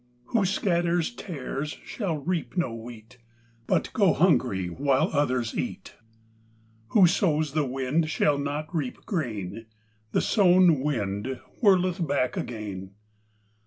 Who scatters tares shall reap no wheat But go hungry, while others eat. Who sows the wind shall not reap grain, The sown wind whirleth back again.